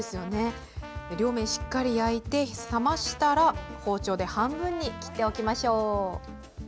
両面しっかり焼いて冷ましたら包丁で半分に切っておきましょう。